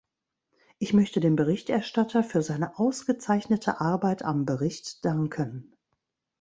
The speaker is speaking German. Ich möchte dem Berichterstatter für seine ausgezeichnete Arbeit am Bericht danken.